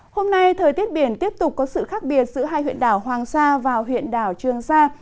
hôm nay thời tiết biển tiếp tục có sự khác biệt giữa hai huyện đảo hoàng sa và huyện đảo trường sa